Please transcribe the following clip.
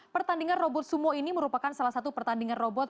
pertandingan robot sumo ini merupakan salah satu pertandingan robot